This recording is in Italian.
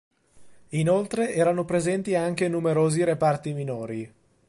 Inoltre, erano presenti anche numerosi reparti minori.